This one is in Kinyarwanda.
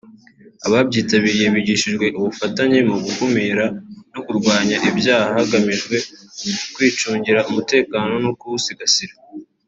Abaryitabiriye bigishijwe ubufatanye mu gukumira no kurwanya ibyaha hagamijwe kwicungira umutekano no kuwusigasira